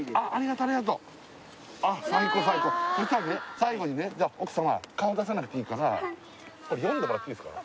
最後にねじゃあ奥様顔出さなくていいからこれ読んでもらっていいですか？